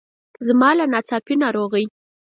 زما له ناڅاپي ناروغۍ.